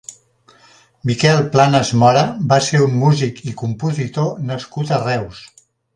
Miquel Planàs Mora va ser un músic i compositor nascut a Reus.